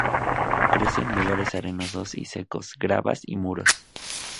Crece en lugares arenosos y secos, gravas y muros.